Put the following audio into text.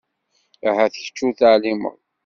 Ahat kečč ur teεlimeḍ